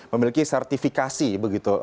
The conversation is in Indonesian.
memiliki sertifikasi begitu